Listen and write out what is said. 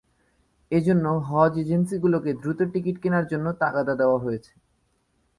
এ জন্য হজ এজেন্সিগুলোকে দ্রুত টিকিট কেনার জন্য তাগাদা দেওয়া হয়েছে।